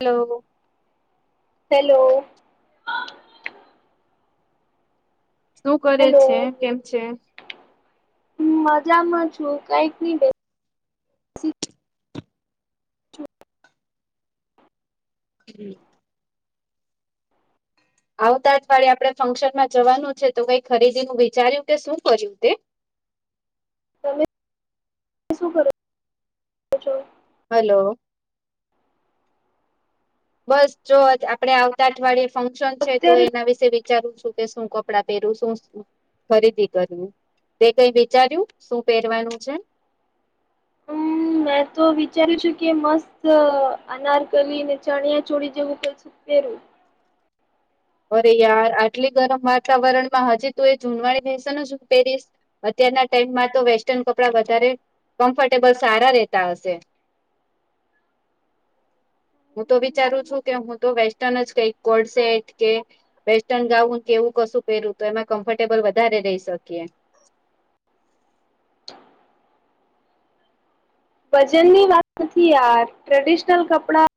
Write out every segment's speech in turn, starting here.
Hello. Hello. શું કરે છે? કેમ છે? હ, મજામાં છું, કઈક નહી બે. છું હમ. આવતા જ વાળે, આપણે ફંક્શનમાં જવાનું છે, તો કઈ ખરીદીનું વિચાર્યું કે, શું કર્યું તે? તમે શું કરો છો? છો. હલો, બસ જો આપડે આવતા અઠવાડિયે. ફંક્શન છે, તો અત્યારે એના વિશે વિચારું છું કે, શું કપડાં પહેરું? શું ખરીદી કર્યું? તે કઈ વિચાર્યું શું પહેરવાનું છે? હમ [unintelligible] મેં તો વિચાર છું કે, મસ્ત અનારકલીને, ચણિયા ચોળ જેવું પ ઉપેરું. અરે યાર આટલી ગરમ વાતાવરણ માં હજી તું, એ જૂનવાણી થઈશે ને, શું પેરીસ? અત્યારના ટાઈમમાં તો વેસ્ટર્ન કપડા વધારે કમ્ફર્ટેબલ સારા રહેતા હશે. [unintelligible] હું તો વિચારું છું કે, હું તો વેસ્ટર્ન જ કઈક કોલ્ડ સેટ. કે વેસ્ટર્ન ગાઉન કેવું કશું પહેરવું, તો એમાં કમ્ફર્ટેબલ વધારે રહી શકીએ. વજન ની વાત નથી યાર ટ્રેડિશનલ કપડા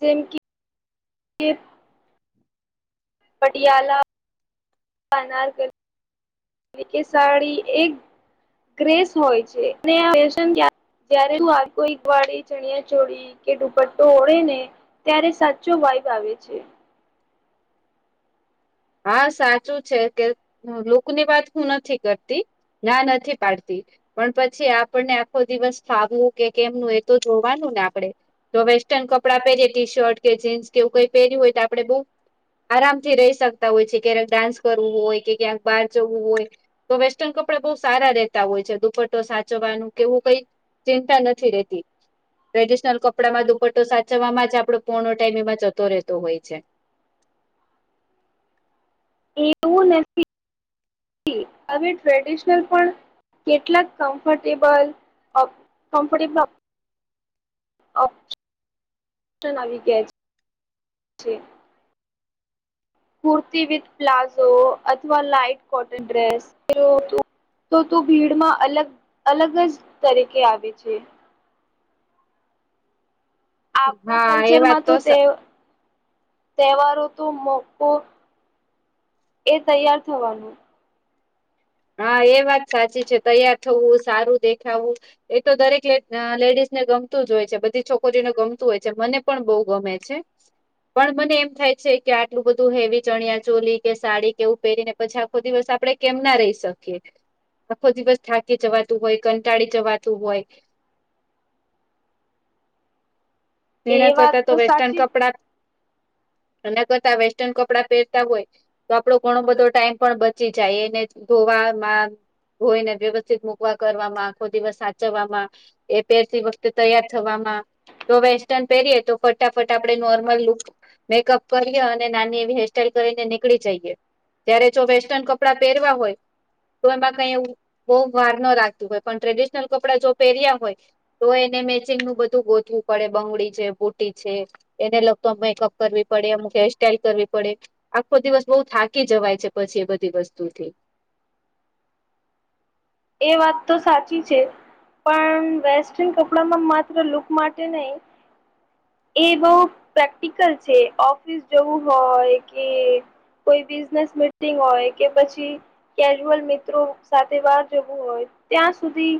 જેમ કે જે. પટિયાલાના, અનારકલી કે સાડી એક ગ્રેસ હોય છે ને આ ફેશન કયારે જયારે હું આવી કોઈ વાળી ચણિયા ચોડી કે દુપટ્ટો ઓળે ને ત્યારે સાચો વાઈબ આવે છે હા સાચું છે કે હું લુક ની વાત હું નથી કરતી ના નથી પાડતી. પણ પછી આપણને આખો દિવસ ફાવવું કે કેમનું એ તો જોવાનું ને આપડે જો વેસ્ટર્ન કપડાં પહેરીએ ટી શર્ટ કે જીન્સ કેવું કઈ પહેર્યું હોય તો આપણે બઉુ આરામથી રહી શકતા હોય છે ક્યારેક ડાન્સ કરવું હોય કે ક્યાંક કાચ વુ હોય તો વેસ્ટર્ન કપડા બઉ સારા રેતા હોય છે દુપટો સાચવાનું કે એવું કઈ ચિંતા નથી રેતી ટ્રેડિશનલ કપડામાં દુપટ્ટો સાચવમાં જ આપડો પોર્ણો ટાઈમ એમાં જતો રહેતો હોય છે એવું નથી હવે ટ્રેડિશનલ પણ કેટલાક કમ્ફર્ટેબલ અ કમફર્ટેબલ. ઓ ઓપ્સનલ આવી ગયા છે કુર્તી વિથ પ્લાઝો અથવા લાઈટ કોટન ડ્રેસ તો તું ભીડમાં અલગ અલગ જ તરીકે આવે છે. આપણા હા એ વાત કલ્ચરમાં તો તે. સા તહેવારો તો મોકો એ તૈયાર થવાનું હા એ વાત સાચી છે તૈયાર થુવુ સારું દેખાવું. એ તો દરેક લેડીઝને ગમતું જ હોય છે બધી છોકરીઓને ગમતું હોય છે મને પણ બહુ ગમે છે પણ મને એમ થાય છે કે આટલું બધું હેવી ચણિયા ચોલી કે સાડી કેવું પહેરીને પછી આખો દિવસ આપડે કેમ ના રહીશ. શકીયે આખો દિવસ થાકી જવાતું હોય કંટાળી જવાતું હોય એ એના વાત કરતા તો વેસ્ટર્ન સાચી કપડા એના કરતા વેસ્ટર્ન કપડા પહેરતા હોય તો આપડો ઘણો બધો ટાઈમ પણ બચી જાય એને ધોવામાં. ધોયેને વ્યવસ્થિત મૂકવા કરવામાં આખો દિવસ સાચવવામાં. એ પહેરતી વખતે તૈયાર થવામાં તો વેસ ટન પહેરીએ તો ફટાફટ આપડણે નોર્મલ લુક. મેકઅપ કરીએ અને નાની એવી હેરસ્ટાઈઇલ કરીને નીકળી જઈએ. ત્યારે જો વેસ્ટર્ન કપડાં પહેરવા હોય. તો એમાં કઈ એવું બહુ વાર ન રાખતું હોય પણ ટ્રેડિશનલ કપડા જો પહેર્યા હોય તો એને મેચિંગ નું બધું ગોતવું પડે. બંગડી છે બુટી છે એને લગતો એમ મેકઅપ કરવી પડે અમુક હેરસ્ટાઈલ કરવી પડે આખો દિવસ બહુ થાકી જવાય છે પછી એ બધી વસ્તુથી. એ વાત તો સાચી છે. પણ વેસ્ટર્ન કપડામાં માત્ર લુક માટે નહી. એ બહુ પ્રેક્ટિકલ છે ઓફિસ જવું હોય કે કોઈ બિઝનેસ મિટિંગ હોય કે પછી કેજ્યુઅલ મિત્રો સાથે વાત જવું હોય ત્યાં સુધી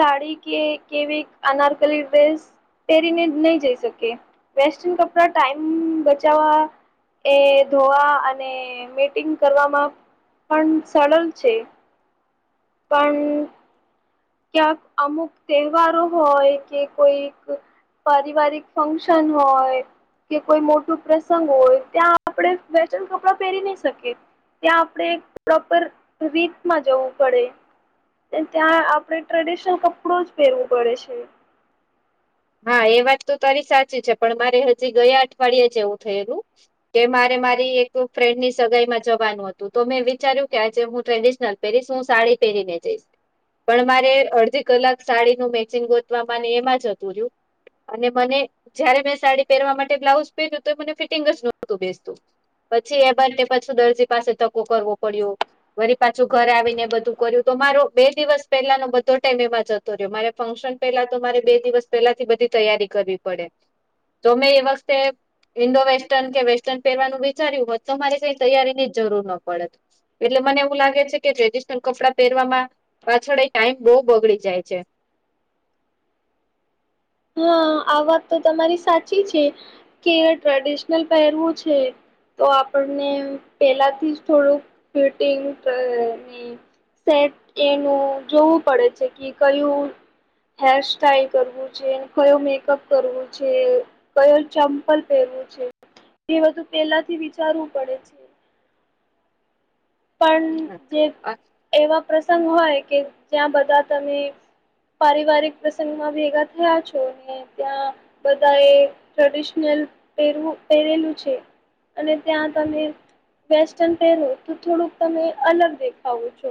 સાડી કે કેવી અનારકલી ડ્રેસ પહેરીને નહી જઈ શકે વેસ્ટર્ન કપડા ટાઈમ બચાવવા એ ધોવા અને મટિંગ કરવામાં પણ સરલ છે પણ. ક્યાંક અમુક તહેવારો હોય કે કોઈક. પારિવારિક ફંક્શન હોય. કે કોઈ મોટું પ્રસંગ હોય ત્યાં આપણે વેસ્ટન કપડાં પહેરી નહી શકીએ. ત્યાં આપણે પ્રોપર રીતમાં જવું પડે ને ત્યાં આપ આપણે ટ્રેડિશનલ કપડું જ પહેરવો પડે છે. હા એ વાત તો તારી સાચી છે પણ મારે હજી ગયા અઠવાડિયે જ એવું થયેલું કે મારે મારી એક ફ્રેન્ડ ની સગાઈ માં જવાનું હતું તો મેં વિચાર્યું કે આજે હું ટ્રેડિશનલ પેરીસ હું સાડી પહેરી ને જઈશ પણ મારે અડધી કલાક સાડીનું મેચિંગ ગોતવામાં એમાં જતુ રીયુ અને મને જયારે મેં સાડી પહેરવા માટે બ્લાઉઝ પહેર્યું તો મને ફિટિંગ જ નહોતું બેસતું પછી એ બાર પાછું દરજી પાસે ધકકો કરવો પડ્યો. વરી પાછું ઘર આવી ને બધું કર્યું તો મારો બે દિવસ પેલાનો બધો ટાઈમ એમાં જ. જતો રહ્યો મારે ફંક્શન પેલા તો મારે બે દિવસ પેલા થી બધી તૈયારી કરવી પડે તો મેં એ વખતે ઈન્ડો વેસ્ટર્ન કે વેસ્ટર્ન પહેરવાનું વિચાર્યું હોત તો મારે કઈ તૈયારીની જરૂર ન પડત એટલે મને એવું લાગે છે કે ટ્રેડિશનલ કપડાં પહેરવામાં પાછળ એ ટાઈમ બહુ બગડી જાય છે. હા આ વાત તો તમારી સાચી છે કે ટ્રેડિશનલ પહેરવું છે. તો આપણને પહેલાથી જ થોડુંક ફિટિંગ કરવી સેટ એનું જોવું પડે છે કે કયું હેર સ્ટાઈલ કરવું કયો મેકઅપ કરવું છે કયો ચંપલ પહેરવું છે. એ બધું પેલા થી વિચારવું પડે છે. પણ જે એવા પ્રસંગ હોય કે જ્યાં બધા તમે પારિવારિક પ્રસંગમાં ભેગા થયા છો ને ત્યાં બધા એ ટ્રેડિશનલ પેરવુ પહેરેલું છે. અને ત્યાં તમે વેસ્ટન પહેરો તો થોડુંક તમે અલગ દેખાવો છો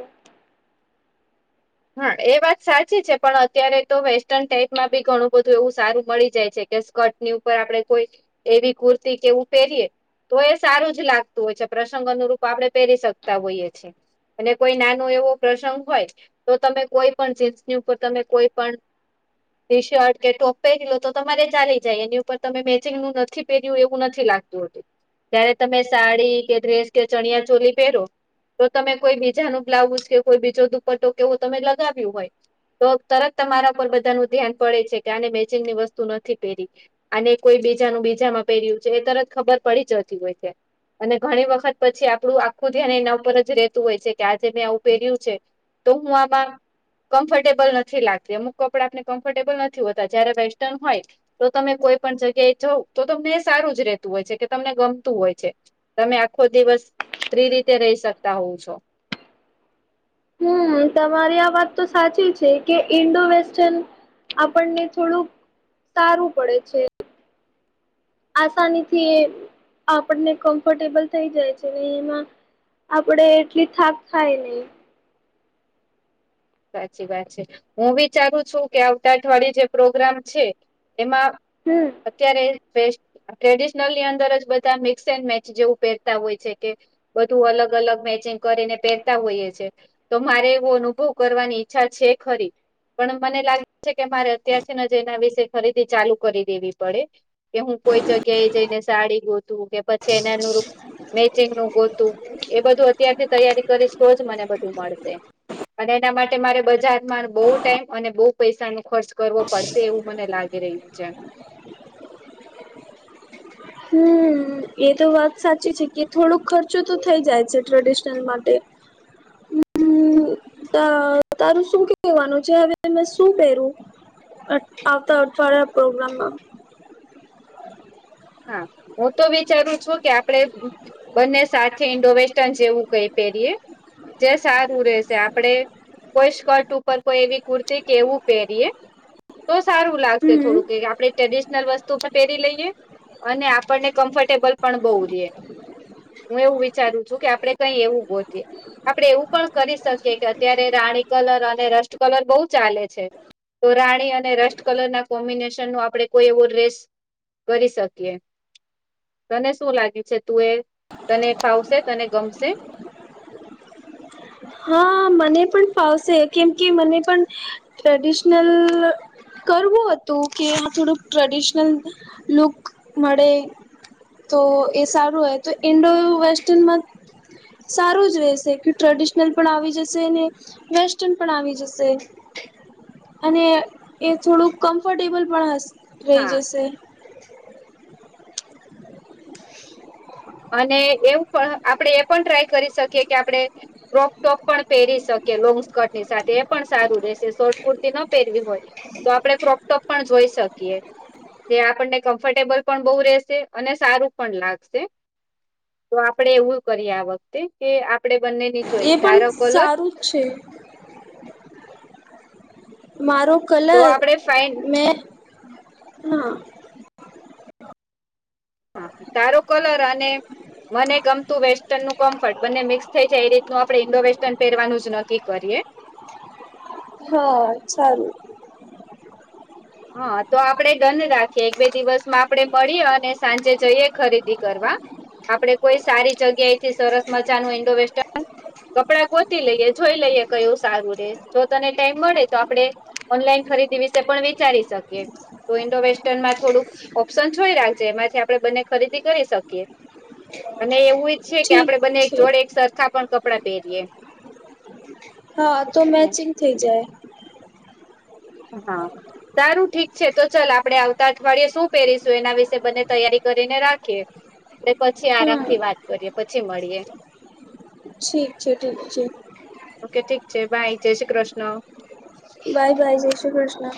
હા એ વાત સાચી છે પણ અત્યારે તો વેસ્ટર્ન ટાઈપ માં બી ઘણું બધું એવું સારું મળી જાય છે. કે સ્કર્ટની ઉપર આપડે કોઈ હેવી કુર્તી કે એવું પહેરીએ. તો એ સારું જ લાગતું હોય છે પ્રસંગો અનુરૂપ આપણે પહેરી શકતા હોઈએ છીએ. અને કોઈ નાનો એવો પ્રસંગ હોય. તો તમે કોઈ પણ જીન્સની ઉપર તમે કોઈ પણ ટી શર્ટ કે ટોપ પહેરી લો તો તમારે ચાલી જાય એની ઉપર તમે મેચિંગ નું નથી પહેર્યું એવું નથી લાગ જ્યારે તમે સાડી કે ડ્રેસ કે ચણિયા ચોલી પહેરો તો તમે કોઈ બીજા નો બ્લાઉઝ કે કોઈ બીજો દુપટ્ટો એવું તમે લગાવ્યું હોય તો તરત તમારા પર બધાનું ધ્યાન પડે છે કે આને મેચિનની વસ્તુ નથી પહેરી અને કોઈ બીજાનું બીજામાં પહેર્યું છે એ તરત ખબર પડી જતી હોય છે. અને ઘણી વખત પછી આપડૂ આખું ધ્યાન એના ઉપર જ રહેેતું હોય છે કે આજે મેં આવું પહેર્યું છે. તો હું આબા. કમ્ફર્ટેબલ નથી લાગતી અમુક કપડા આપને કમ્ફર્ટેબલ નથી હોતા જયારે વેસ્ટર્ન હોય તો તમે કોઈ પણ જગ્યાએ જાવ તો તમને એ સારું જ રહેતું હોય છે કે તમને ગમતું હોય છે. તમે આખો દિવસ ફી રીતે રહી શકતા હોવ છો. હમ તમારી આ વાત તો સાચી છે કે ઇન્ડો વેસ્ટન આપણને થોડુંક સારું પડે છે. આસાનીથી આપણને કમ્ફર્ટેબલ થઈ જાય છે ને એમાં આપડે એટલી થાક ખાય નહી સાચી વાત છે, હું વિચારું છું કે આવતા અઠવાડિયે જે પ્રોગ્રામ છે, એમાં હમ. અત્યારે [unintelligible] ટ્રેડિશનલની અંદર જ બધા મિક્સ એન્ડ મેચ જેવું પહેરતા હોય છે, કે બધું અલગ અલગ મેચિંગ કરીને પહેરતા હોઈએ છે, તો મારે એવું અનુભવ કરવાની ઈચ્છા છે, ખરી પણ મને લાગે છે, કે મારે અત્યારથીને જ એના વિશે ખરીદી ચાલુ કરી દેવી પડે કે હું કોઈ જગ્યાએ જઈને સાડી ગોતું કે પછી એના અનુરૂપ મેચિંગનું ગોતું એ બધું અત્યારથી તૈયારી કરીશ તો જ મને બધું મળશે અને એના માટે મારે બજારમાં બો ટાઈમ અને બો પૈસા ન ખર્ચ કરવો પડ તેવું મને લાગી રહ્યું છે. હમ એ તો વાત સાચી છે, કે થોડોક ખર્ચો તો થઈ જાય છે, ટ્રેડિશનલ માટે તા તારું શું કેવાનું છે, હવે મેં શું પહેરુ? અટ આવતા અઠવાડિયા પ્રોગ્રામમાં હા હું તો વિચારું છું કે આપડે બંને સાથે ઇન્ડો વેસ્ટર્ન જેવું કઈ પહેરીએ જે સારું રેશે આપડે કોઈ સ્કર્ટ ઉપર કોઈ એવી કુર્તી કે એવું પેરીએ તો સારું લાગશે હમ થોડું કે આપણે ટ્રેડિશનલ વસ્તુ પેરી લઈએ અને આપણને કમ્ફર્ટેબલ પણ બોવ રયે હું એવું વિચારું છું કે આપડે કઈ એવું ગોતયે આપણે એવું પણ કરી શકીએ કે અત્યારે રાણી કલર અને રસ્ટ કલર બોવ ચાલે છે. તો રાણી અને રસ્ટ કલ ના કોમ્બિનેશનનું આપણે કોઈ એવો રેસ કરી શક કીયે તને શું લાગ્યું છે, તું એ તને ફાવશે તને ગમશે? હા મને પણ ફાવશે કેમ કે મને પણ ટ્રેડિશનલ કરવું હતું કે આ થોડુંક ટ્રેડિશનલ લુક મળે તો એ સારું હોય તો ઇન્ડો વેસ્ટનમાં સારું જ રહેશે કે ટ્રેડિશ [unintelligible] પણ આવી જશે ને વેસ્ટર્ન પણ આવી જશે અને એ થોડુંક કમ્ફર્ટેબલ પણ હસ રહી હા જશે અને એવું પણ આપણે એ પણ ટ્રાય કરી શકીએ કે આપડે ક્રોપ ટોપ પણ પહેરી શકીએ લોંગ સ્કર્ટ ની સાથે એ પણ સારું રહેશે શોર્ટ કુર્તી ન પહેરવી હોય તો આપડે ક્રોકટોપ પણ જોઈ શકીએ તે આપણને કમ્ફર્ટેબલ પણ બો રહેશે અને સારું પણ લાગશે તો આપડે એવું કરીએ આ વખતે કે આપડે બંનેની ચોઈસ એ પણ તારો [unintelligible] સારું છે. મારો તો કલર આપણે ફાઈન મેં હા હા તારો કલર અને મને ગમતું વેસ્ટર્નનું કમ્ફર્ટ બંને મિક્સ થઈ જાય એ રીતનું આપડે ઈન્ડો વેસ્ટર્ન પહેરવાનું જ નક્કી કરીએ હ ચાલ હ તો આપડે ડન રાખીએ એક બે દિવસમાં આપડે મળીએ અને સાંજે જઈએ ખરીદી કરવા આપડે કોઈ સારી જગ્યા એથી સરસ મજાનું ઇન્ડો વેસ્ટર્ન કપડાં ગોતી લઈએ જોઈ લઈએ કયુ સારું રેય જો તને ટાઈમ મળે તો આપડે ઓનલાઈન ખરીદી વિશે પણ વિચારી શકીએ તો ઇન્ડો વેસ્ટર્નમાં થોડુંક ઓપ્શન જોઈ રાખજે એમાંથી આપડે બંને ખરીદી કરી શકીએ અને એવુંજ છે, કે આપડે ઠીક બને એક છે જોડે એક સરખા પણ કપડા પેરીએ હા આ તો મેચિંગ થઇ જાય હા. સારું ઠીક છે તો ચાલ આપડે આવતા અઠવાડિયે શું પહેરીશું એના વિશેે બને તૈયારી કરીને રાખીએ ને પછી હમ આરામથી વાત કરીએ પછી મળીએ ઠીક છે ઠીક છે. ઓકે ઠીક છે બાય જય શ્રી કૃષ્ણ બાય બાય જય શ્રી કૃષ્ણ